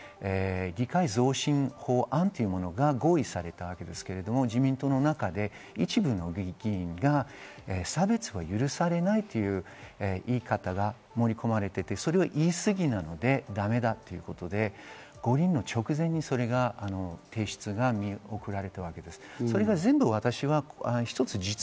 去年の五輪の前に、理解増進法案というものが合意されたわけですけど、自民党の中で一部の議員が「差別は許されない」という言い方が盛り込まれていて、それは言い過ぎなので、だめだということで、五輪の直前にそれの提出が見送られたわけです。